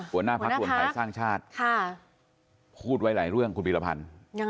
หัวหน้าพักรวมไทยสร้างชาติพูดไว้หลายเรื่องคุณพิรพันธ์